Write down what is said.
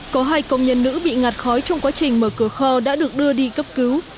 có hai công nhân nữ bị ngạt khói trong quá trình mở cửa kho đã được đưa đi cấp cứu